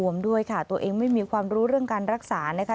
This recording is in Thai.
ด้วยค่ะตัวเองไม่มีความรู้เรื่องการรักษานะคะ